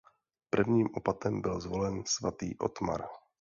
Prvním opatem byl zvolen svatý Otmar.